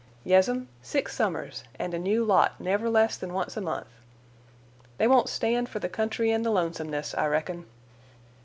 Yes'm—six summers, and a new lot never less than once a month. They won't stand for the country and the lonesomeness, I reckon."